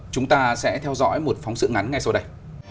chúng ta sẽ theo dõi một phóng sự ngắn ngay sau đây